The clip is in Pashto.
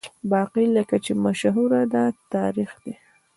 باقي لکه چې مشهوره ده، تاریخ دی.